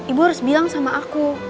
ibu harus bilang sama aku